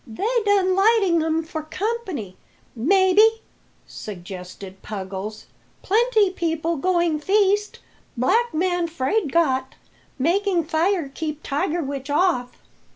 "They done lighting um for company, maybe," suggested Puggles. "Plenty people going feast, black man 'fraid got, making fire keep tiger witch off."